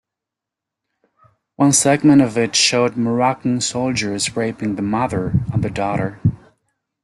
One segment of it showed Moroccan soldiers raping the mother and the daughter.